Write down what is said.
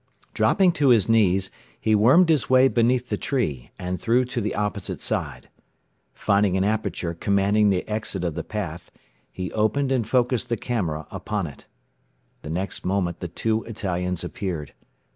Dropping to his knees, he wormed his way beneath the tree, and through to the opposite side. Finding an aperture commanding the exit of the path, he opened and focused the camera upon it. The next moment the two Italians appeared.